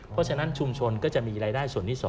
เพราะฉะนั้นชุมชนก็จะมีรายได้ส่วนที่๒